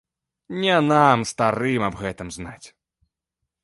Не нам, старым, аб гэтым знаць.